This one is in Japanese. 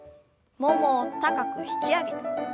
ももを高く引き上げて。